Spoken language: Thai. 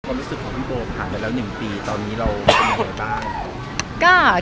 ความรู้สึกของคุณโปร่งผ่านไปแล้ว๑ปีตอนนี้เรากำลังจะไปไหนบ้าง